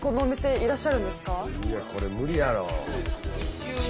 いやこれ無理やろ。